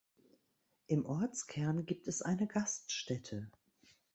Im Ortskern gibt eine Gaststätte.